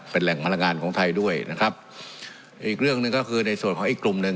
เป็นแหล่งพลังงานของไทยด้วยนะครับอีกเรื่องหนึ่งก็คือในส่วนของอีกกลุ่มหนึ่ง